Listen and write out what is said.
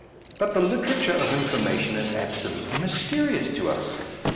But the literature of in formation is absolutely mysterious to us.